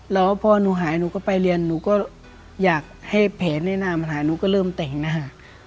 แล้วพอหนูหายหนูก็ไปเรียนหนูก็อยากให้แผลในหน้ามาหายหนูก็เริ่มแต่งนะคะ